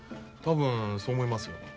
多分そう思いますよ。